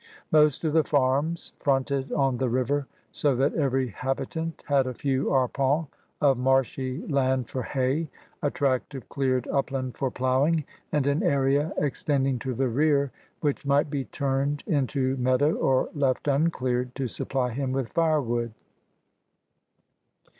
Most of the farms fronted on the river so that every habitant had a few arpents of marshy land for hay, a tract of cleared upland for ploughing, and an area extending to the rear which might be turned into meadow or left uncleared to supply him with firewood.